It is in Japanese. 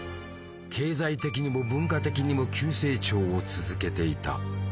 経済的にも文化的にも急成長を続けていた。